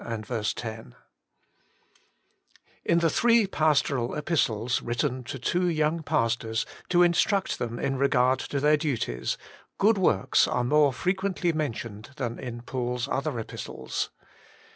j IN the three Pastoral Epistles, written to j two young pastors to instruct them in i regard to their duties, * good works ' are' more frequently mentioned than in Paul's ; other Epistles.